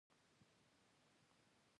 ایا ستاسو اختراع ګټوره ده؟